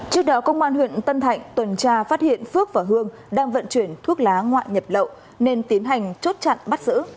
trước đó công an huyện tân thạnh tuần tra phát hiện phước và hương đang vận chuyển thuốc lá ngoại nhập lậu nên tiến hành chốt chặn bắt giữ